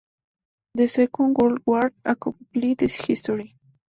The second world war: a complete history.